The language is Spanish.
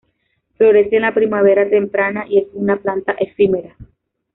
Florece en la primavera temprana y es una planta efímera.